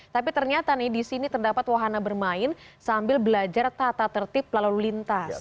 tapi ternyata nih di sini terdapat wahana bermain sambil belajar tata tertib lalu lintas